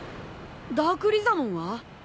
ダークリザモンは？